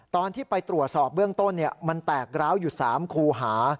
ตอนที่ไปตรวจสอบเบื้องต้นมันแตกร้าวอยู่๓คูหา